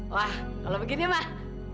wah kalau begini mah